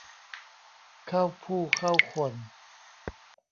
เข้าผู้เข้าคน